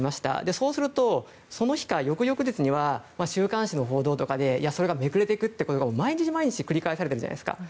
そうすると、その日か翌々日には週刊誌の報道とかでそれがめくれていくというのが毎日繰り返されてるじゃないですか。